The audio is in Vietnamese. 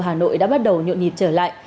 hà nội đã bắt đầu nhộn nhịp trở lại